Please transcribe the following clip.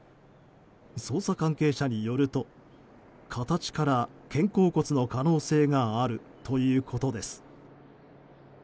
捜査関係者によりますと形から肩甲骨の可能性があるということです。